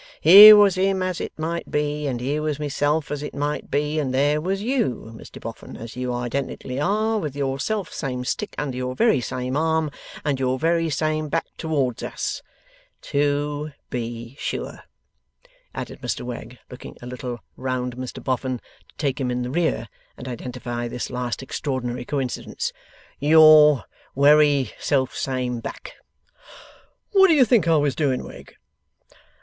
Here was him as it might be, and here was myself as it might be, and there was you, Mr Boffin, as you identically are, with your self same stick under your very same arm, and your very same back towards us. To be sure!' added Mr Wegg, looking a little round Mr Boffin, to take him in the rear, and identify this last extraordinary coincidence, 'your wery self same back!' 'What do you think I was doing, Wegg?